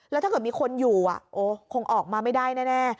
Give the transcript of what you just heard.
แล้วถ้าเกิดมีคนอยู่คงออกมาไม่ได้แน่